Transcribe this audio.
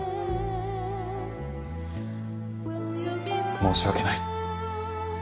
申し訳ない。